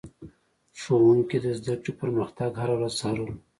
ښوونکي د زده کړې پرمختګ هره ورځ څارلو.